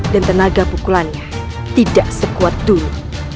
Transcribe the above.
dan tenaga pukulannya tidak sekuat dulu